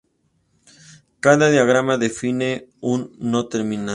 Cada diagrama define un no terminal.